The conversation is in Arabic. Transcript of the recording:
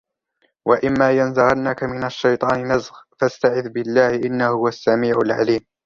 وَإِمَّا يَنْزَغَنَّكَ مِنَ الشَّيْطَانِ نَزْغٌ فَاسْتَعِذْ بِاللَّهِ إِنَّهُ هُوَ السَّمِيعُ الْعَلِيمُ